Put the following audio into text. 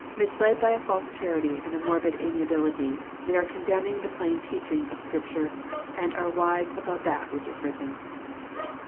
Misled by a false charity and a morbid amiability, they are oondemniog the plain teaching of the Scripture, and are wise above that which is written.